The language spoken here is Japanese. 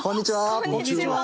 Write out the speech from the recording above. こんにちは。